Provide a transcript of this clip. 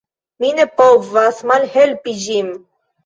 Mi ne povas malhelpi ĝin.